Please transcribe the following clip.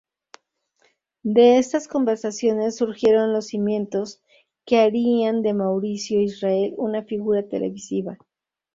De estas conversaciones surgieron los cimientos que harían de Mauricio Israel, una figura televisiva.